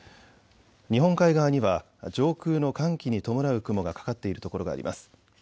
日本海側には上空の寒気に伴う雲がかかっている所があります。